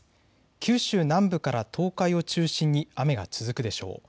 九州南部から東海を中心に雨が続くでしょう。